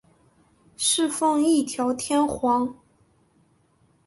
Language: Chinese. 侍奉一条天皇。